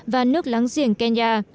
và nước láng giềng kenya